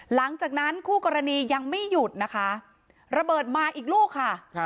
หลังจากนั้นคู่กรณียังไม่หยุดนะคะระเบิดมาอีกลูกค่ะ